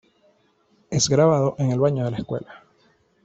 Es grabado en el baño de la escuela.